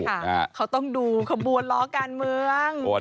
เขาต้องดูขบวนล้อการเมือง